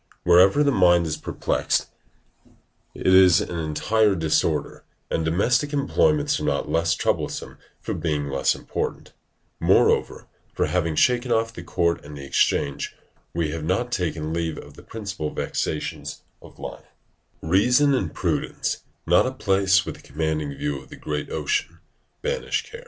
Wherever the mind is perplexed, it is in an entire disorder, and domestic employments are not less troublesome for being less important. Moreover, for having shaken off the court and the exchange, we have not taken leave of the principal vexations of life: "Ratio et prudentia curas, Non locus effusi late maris arbiter, aufert;" ["Reason and prudence, not a place with a commanding view of the great ocean, banish care."